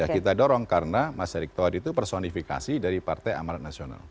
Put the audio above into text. kita dorong karena mas erick thohir itu personifikasi dari partai amarat nasional